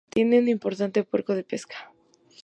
Tiene un importante puerto de pesca.